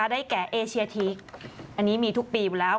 จะได้แกะเอเชียทิกอันนี้มีทุกปีแล้ว